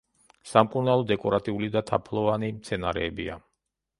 სამკურნალო, დეკორატიული და თაფლოვანი მცენარეებია.